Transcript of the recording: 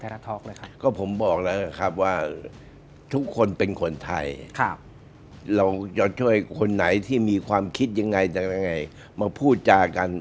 เราจะช่วยคนไหนที่มีความคิดยังไงแต่ยังไงมาพูดจากกัน